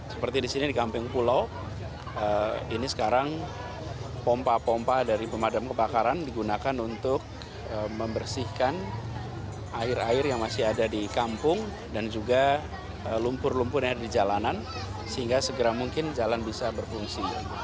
seperti di sini di kampung pulau ini sekarang pompa pompa dari pemadam kebakaran digunakan untuk membersihkan air air yang masih ada di kampung dan juga lumpur lumpur yang ada di jalanan sehingga segera mungkin jalan bisa berfungsi